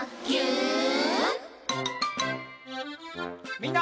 みんな。